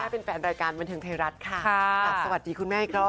ผมสึกวิวแรก